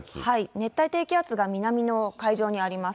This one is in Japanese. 熱帯低気圧が南の海上にあります。